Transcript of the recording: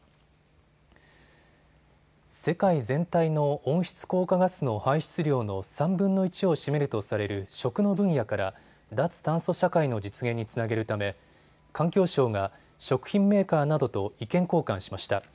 世界全体の温室効果ガスの排出量の３分の１を占めるとされる食の分野から脱炭素社会の実現につなげるため環境省が食品メーカーなどと意見交換しました。